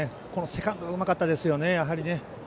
セカンドうまかったですよね。